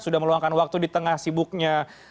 sudah meluangkan waktu di tengah sibuknya